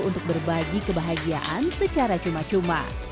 untuk berbagi kebahagiaan secara cuma cuma